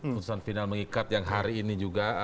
putusan final mengikat yang hari ini juga